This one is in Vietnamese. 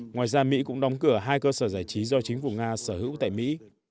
ngoài ra mỹ cũng đóng cửa hai cơ sở giải trí do chính phủ nga sở hữu tại mỹ